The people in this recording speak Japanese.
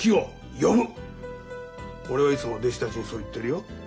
俺はいつも弟子たちにそう言ってるよ。